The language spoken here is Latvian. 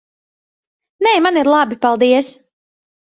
Nē, man ir labi. Paldies.